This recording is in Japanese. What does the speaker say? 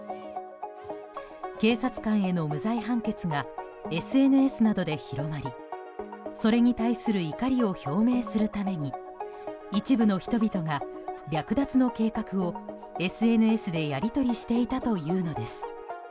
警察官への無罪判決がＳＮＳなどで広がりそれに対する怒りを表明するために一部の人々が略奪の計画をＳＮＳでやり取りしていたというのです。